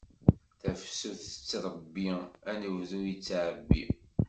Tafsut tettṛebbi, anebdu ittɛebbi.